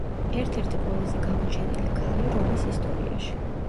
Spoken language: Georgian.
ერთ-ერთი ყველაზე გამოჩენილი ქალი რომის ისტორიაში.